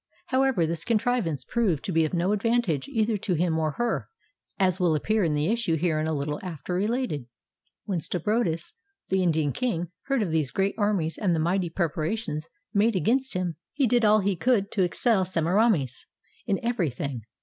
However, this contrivance proved to be of no advantage either to him or her, as will appear in the issue herein a little after related. When Stabrobates the Indian king heard of these great armies and the mighty preparations made against him, he did all he could to excel Semiramis in every thing.